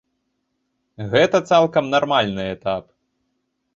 Гэта цалкам нармальны этап.